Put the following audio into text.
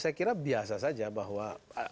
saya kira biasa saja bahwa